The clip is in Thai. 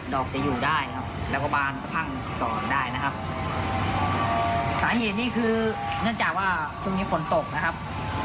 อกจะอยู่ได้ครับแล้วก็บานสะพังก่อนได้นะครับสาเหตุนี่คือเนื่องจากว่าพรุ่งนี้ฝนตกนะครับ